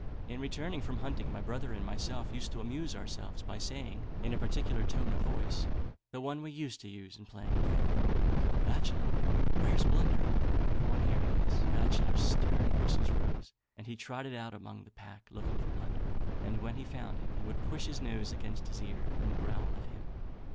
In returning from hunting, my brother and myself used to amuse ourselves by saying, in a peculiar tone of voice, the one we used to use in playing with them 'Bachelor, where's Blunder?' On hearing this, Bachelor's stern and bristles rose, and he trotted about among the pack, looking for Blunder, and when he found him he would push his nose against his ear and growl at him.